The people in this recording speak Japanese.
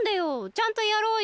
ちゃんとやろうよ。